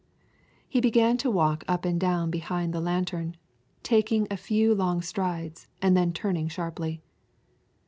He began to walk up and down behind the lantern, taking a few long strides and then turning sharply.